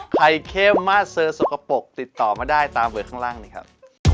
เข้มมาเซอร์สกปรกติดต่อมาได้ตามเบอร์ข้างล่างนี้ครับ